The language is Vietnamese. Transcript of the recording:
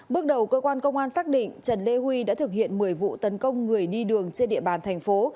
bước đầu cơ quan công an xác định trần lê huy đã thực hiện một mươi vụ tấn công người đi đường trên địa bàn thành phố